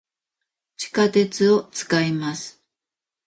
地下鉄を、使います。